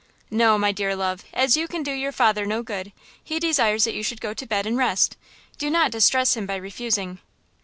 "No, my dear love; as you can do your father no good, he desires that you should go to bed and rest. Do not distress him by refusing."